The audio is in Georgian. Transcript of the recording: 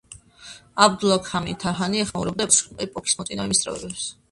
აბდულჰაქ ჰამიდ თარჰანი ეხმაურებოდა ეპოქის მოწინავე მისწრაფებებს.